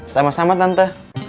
sama sama tante